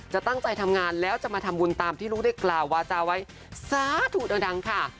จะตั้งใจทำงานแล้วจะมาทำบุญตามที่ลูกได้กล่าววาจาไว้สาธุดังค่ะ